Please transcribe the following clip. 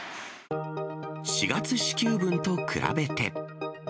４月支給分と比べて。